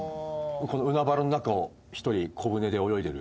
海原の中を一人小舟で泳いでる。